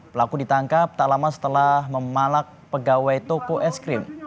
pelaku ditangkap tak lama setelah memalak pegawai toko es krim